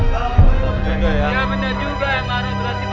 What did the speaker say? ya benar juga emang regulasi benar